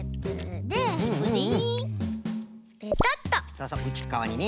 そうそううちっかわにね。